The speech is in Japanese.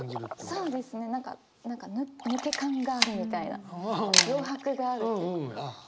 そうですね何か抜け感があるみたいな余白があるっていうこと。